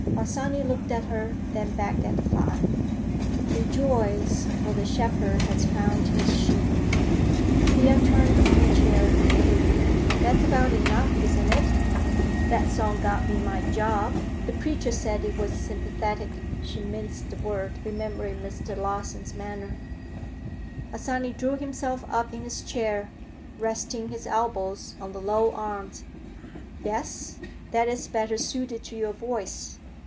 Harsanyi looked at her, then back at the fire. "Rejoice, for the Shepherd has found his sheep." Thea turned on the chair and grinned. "That's about enough, isn't it? That song got me my job. The preacher said it was sympathetic," she minced the word, remembering Mr. Larsen's manner. Harsanyi drew himself up in his chair, resting his elbows on the low arms. "Yes? That is better suited to your voice.